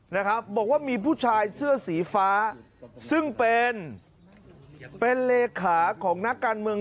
นะครับบอกว่ามีผู้ชายเสื้อสีฟ้าซึ่งเป็นเป็นเลขาของนักการเมือง